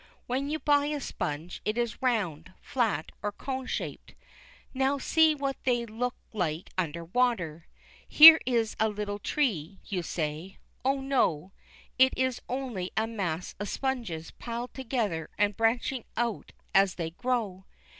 When you buy a sponge, it is round, flat, or cone shaped. Now see what they look like under water. Here is a little tree, you say. Oh, no, it is only a mass of sponges piled together and branching out as they grow.